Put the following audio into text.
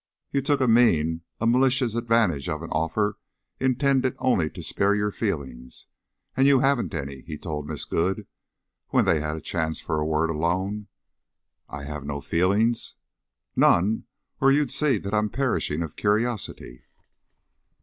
"You took a mean, a malicious advantage of an offer intended only to spare your feelings. And you haven't any," he told Miss Good when they had a chance for a word alone. "I have no feelings?" "None. Or you'd see that I'm perishing of curiosity."